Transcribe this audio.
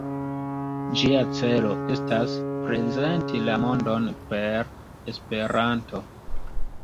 Ĝia celo estas "prezenti la mondon per Esperanto".